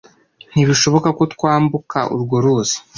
Ntibishoboka ko twambuka urwo ruzi.